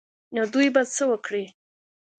نو دوى به څه وکړي.